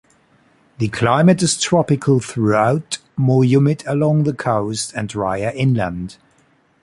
The climate is tropical throughout, more humid along the coast and dryer inland.